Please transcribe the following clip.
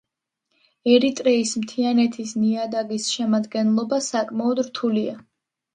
ერიტრეის მთიანეთის ნიადაგის შემადგენლობა საკმაოდ რთულია.